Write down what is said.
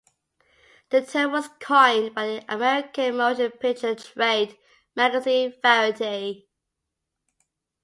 The term was coined by the American motion picture trade magazine, "Variety".